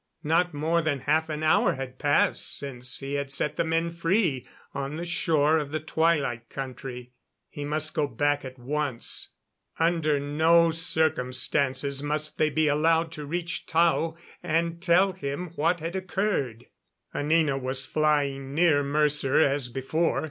Not more than half an hour had passed since he had set the men free on the shore of the Twilight Country. He must go back at once. Under no circumstances must they be allowed to reach Tao and tell him what had occurred. Anina was flying near Mercer as before.